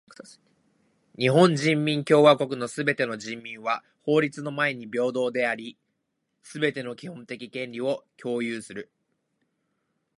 日本人民共和国のすべての人民は法律の前に平等であり、すべての基本的権利を享有する。